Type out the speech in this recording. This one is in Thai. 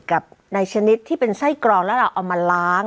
กับในชนิดที่เป็นไส้กรองแล้วเราเอามาล้าง